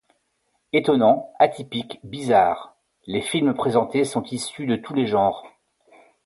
Étonnants, atypiques, bizarres… Les films présentés sont issus de tous les genres.